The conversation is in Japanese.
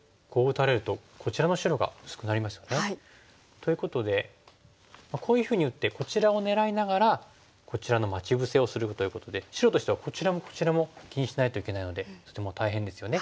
ということでこういうふうに打ってこちらを狙いながらこちらの待ち伏せをするということで白としてはこちらもこちらも気にしないといけないのでとても大変ですよね。